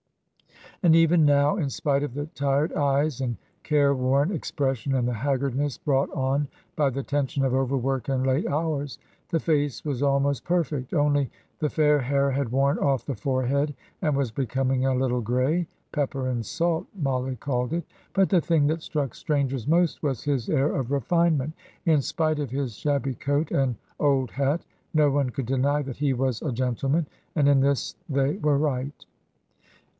And even now, in spite of the tired eyes and careworn expression, and the haggardness brought on by the tension of over work and late hours, the face was almost perfect, only the fair hair had worn off the forehead and was becoming a little grey "pepper and salt," Mollie called it. But the thing that struck strangers most was his air of refinement, in spite of his shabby coat and old hat; no one could deny that he was a gentleman; and in this they were right.